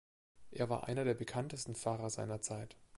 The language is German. Er war einer der bekanntesten Fahrer seiner Zeit.